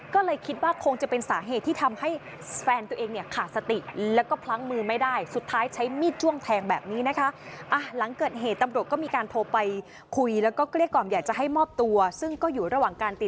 ก็เลยคิดว่าคงจะเป็นสาเหตุที่ทำให้แฟนตัวเองเนี่ยขาดสติ